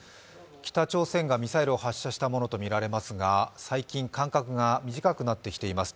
北朝鮮がミサイルを発射したものとみられますが最近、間隔が短くなってきています。